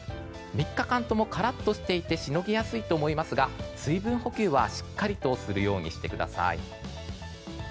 ３日間ともカラッとしていてしのぎやすいと思いますが水分補給はしっかりとするようにしてください。